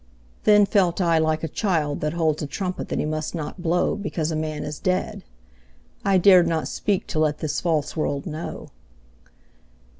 Then felt I like a child that holds A trumpet that he must not blow Because a man is dead; I dared Not speak to let this false world know.